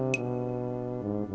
aparah bisa beli khem